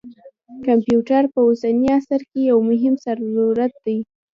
کمپیوټر په اوسني عصر کې یو مهم ضرورت دی.